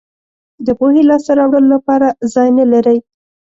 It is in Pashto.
د پوهې لاسته راوړلو لپاره ځای نه لرئ.